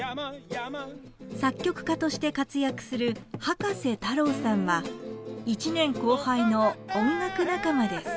作曲家として活躍する葉加瀬太郎さんは１年後輩の音楽仲間です。